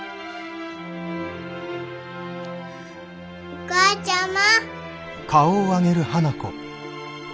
お母ちゃま。